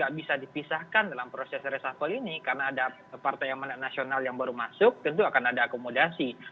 tidak bisa dipisahkan dalam proses resafel ini karena ada partai amanat nasional yang baru masuk tentu akan ada akomodasi